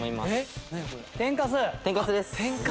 天かすです。